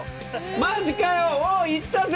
マジかよお行ったぜ！